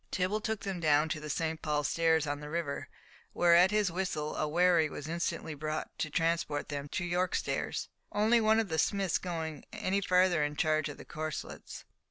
Tibble took them down to the St. Paul's stairs on the river, where at his whistle a wherry was instantly brought to transport them to York stairs, only one of the smiths going any further in charge of the corslets.